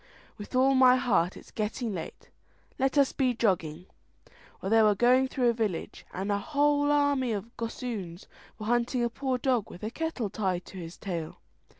"With all my heart, it's getting late, let us be jogging." Well, they were going through a village, and a whole army of gossoons were hunting a poor dog with a kettle tied to his tail.